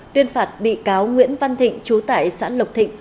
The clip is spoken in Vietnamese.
tuyên phạt bị cáo nguyễn văn thịnh chú tại xã lộc thịnh